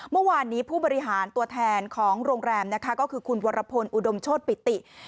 เมื่อวานนี้ผู้บริหารตัวแทนของโรงแรมนะคะก็คือคุณวรพลอุดมโชธปิติ